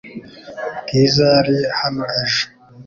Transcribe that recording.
Bwiza yari hano ejo .